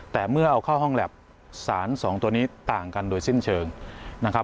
แต่เมื่อเอาเข้าห้องแล็บสารสองตัวนี้ต่างกันโดยสิ้นเชิงนะครับ